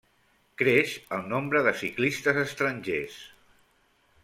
Creix el nombre de ciclistes estrangers.